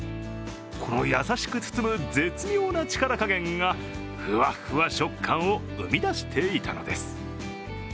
この優しく包む絶妙な力加減がふわっふわ食感を生み出していたのです。